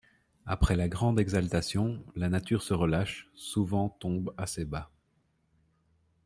Après la grande exaltation, la nature se relâche, souvent tombe assez bas.